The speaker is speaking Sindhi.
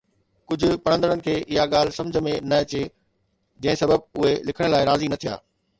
ڪجهه پڙهندڙن کي اها ڳالهه سمجهه ۾ نه اچي، جنهن سبب اهي لکڻ لاءِ راضي نه ٿيا